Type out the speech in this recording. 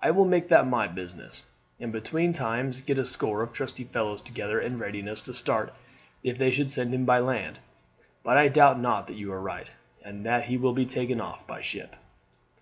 I will make that my business, and between times get a score of trusty fellows together in readiness to start if they should send him by land; but I doubt not that you are right, and that he will be taken off by ship."